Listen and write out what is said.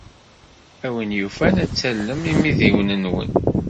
A win yufan ad tallem imidiwen-nwen.